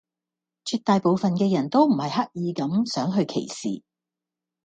絕大部份嘅人都唔係刻意咁想去歧視